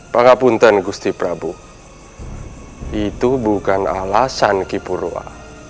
pangapunten gusti prabu itu bukan alasan kipurwa